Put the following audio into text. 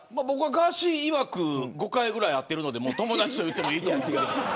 ガーシーいわく５回ぐらい会っているので友達と言ってもいいと思うけど。